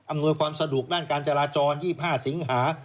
หน่วยความสะดวกด้านการจราจร๒๕สิงหา